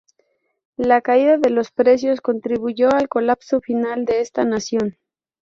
La caída de los precios contribuyó al colapso final de esta nación.